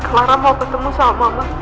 clara mau ketemu sama mama